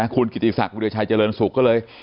คุณกิติศักดิ์วิวิวชายเจริญสุขก็เลย